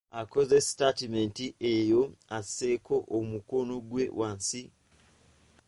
Akoze sitaatimenti eyo, asseeko omukono gwe wansi.